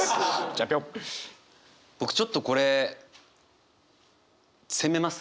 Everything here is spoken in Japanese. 僕ちょっとこれ攻めます。